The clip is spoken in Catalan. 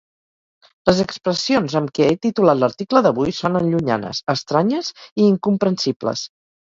Les expressions amb què he titulat l'article d'avui sonen llunyanes, estranyes i incomprensibles.